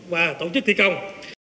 và tổ chức thi công